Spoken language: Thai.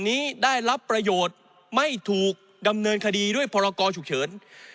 นี้ได้รับประโยชน์ไม่ถูกดำเนินคดีด้วยพรกรฉุกเฉิน